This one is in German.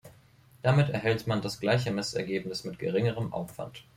Damit erhält man das gleiche Messergebnis mit geringerem Aufwand.